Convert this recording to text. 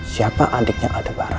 siapa adiknya ada barang